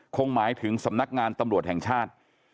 คงหมายถึงสำนักงานตำรวจแห่งชาติ